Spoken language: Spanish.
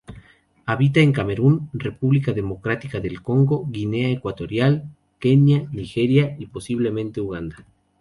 Habita en Camerún, República Democrática del Congo, Guinea Ecuatorial, Kenia, Nigeria y posiblemente Uganda.